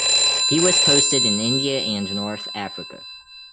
He was posted in India and North Africa.